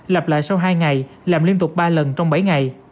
lặp lại sau hai ngày làm liên tục ba lần trong bảy ngày